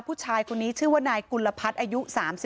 ผู้ชายคนนี้ชื่อว่านายกุลพัฒน์อายุ๓๒